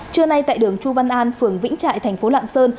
trưa nay tại đường chu văn an phường vĩnh trại tp lạng sơn